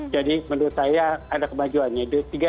jadi menurut saya ada kemajuannya